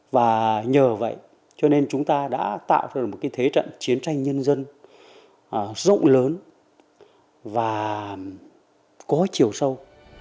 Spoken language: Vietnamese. và nhờ vậy cho nên chúng ta đã tạo ra được một cái thế trận chiến tranh nhân dân rộng lớn và có chiều sâu